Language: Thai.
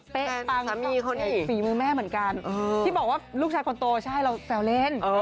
ปังมีคนนี้ฝีมือแม่เหมือนกันที่บอกว่าลูกชายคนโตใช่เราแซวเล่น